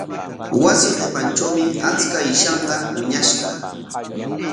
Wasi qipantrawmi achka ishanka wiñashqa.